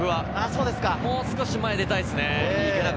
もう少し前に出たいですね。